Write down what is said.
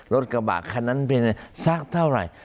รถกระบะคันนั้นเพียงสักเท่าไหร่